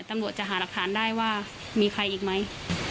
แม่จะรับตรงนี้ได้ไหม